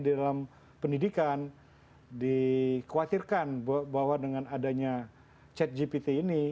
di dalam pendidikan dikhawatirkan bahwa dengan adanya chat gpt ini